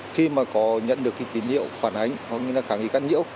khi mà có nhận được cái tín hiệu phản ánh hoặc là khả nghi cắt nhiễu